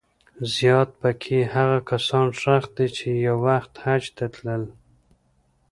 زیات په کې هغه کسان ښخ دي چې یو وخت حج ته تلل.